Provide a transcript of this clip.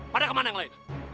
padahal kemana yang lain